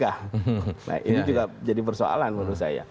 nah ini juga jadi persoalan menurut saya